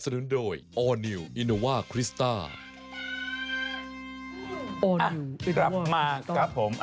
อ้าอีกลับมาครับผม